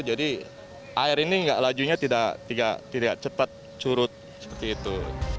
jadi air ini nggak lajunya tidak cepat curut seperti itu